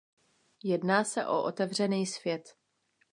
Jedná se o otevřený svět.